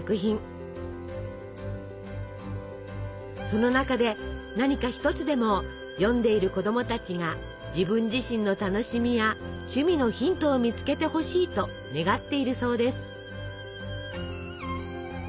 その中で何か一つでも読んでいる子供たちが自分自身の楽しみや趣味のヒントを見つけてほしいと願っているそうです。